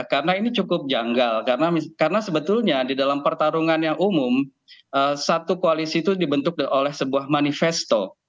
karena ini cukup janggal karena sebetulnya di dalam pertarungan yang umum satu koalisi itu dibentuk oleh sebuah manifesto